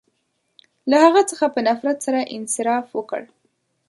• له هغه څخه په نفرت سره انصراف وکړ.